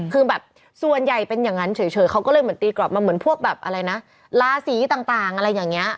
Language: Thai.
คือแบบส่วนใหญ่เป็นอย่างนั้นเฉยเขาก็เลยเหมือนตีกลับมาเหมือนพวกแบบอะไรนะลาศีต่างอะไรอย่างนี้